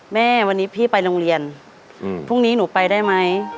แม่วันนี้พี่ไปโรงเรียนพรุ่งนี้หนูไปได้ไหม